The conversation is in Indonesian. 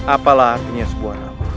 apalah artinya sebuah nama